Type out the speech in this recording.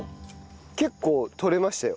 結構取れましたよ。